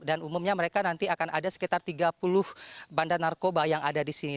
dan umumnya mereka nanti akan ada sekitar tiga puluh bandar narkoba yang ada disini